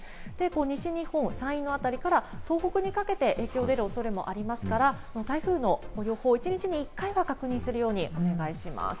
西日本、山陰のあたりから東北にかけて影響が出る恐れもありますから、台風の予報、一日に１回は確認するようにお願いします。